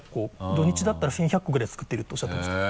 土日だったら１１００個ぐらい作ってるっておっしゃってました